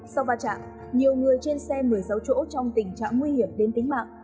sau va chạm nhiều người trên xe một mươi sáu chỗ trong tình trạng nguy hiểm đến tính mạng